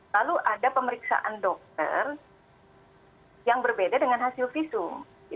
lalu ada pemeriksaan dokter yang berbeda dengan hasil visum